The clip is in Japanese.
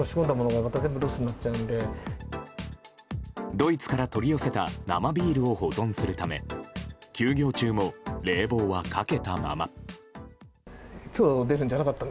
ドイツから取り寄せた生ビールを保存するため休業中も冷房はかけたまま。